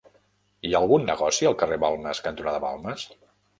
Hi ha algun negoci al carrer Balmes cantonada Balmes?